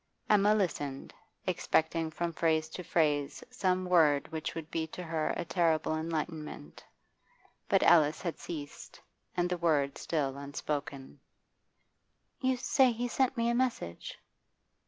Emma listened, expecting from phrase to phrase some word which would be to her a terrible enlightenment But Alice had ceased, and the word still unspoken. 'You say he sent me a message?